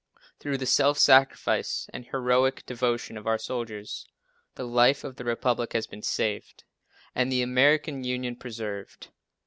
Through the self sacrifice and heroic devotion of our soldiers, the life of the republic has been saved and the American Union preserved.